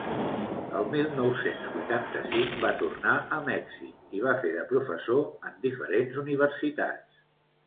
El mil nou-cents vuitanta-cinc va tornar a Mèxic i va fer de professor en diferents universitats.